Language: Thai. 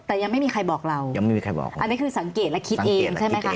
แต่ยังไม่มีใครบอกเราอันนี้คือสังเกตและคิดเองใช่ไหมคะ